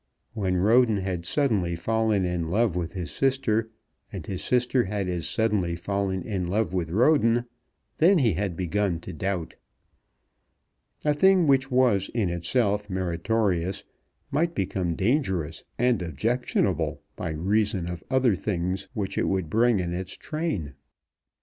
When Roden had suddenly fallen in love with his sister, and his sister had as suddenly fallen in love with Roden, then he had begun to doubt. A thing which was in itself meritorious might become dangerous and objectionable by reason of other things which it would bring in its train.